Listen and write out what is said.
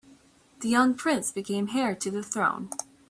The young prince became heir to the throne.